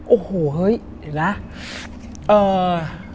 โอ้โหเห้ยเห็นแล้ว